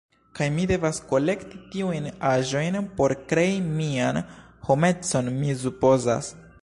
Kaj mi devas kolekti tiujn aĵojn por krei mian homecon, mi supozas.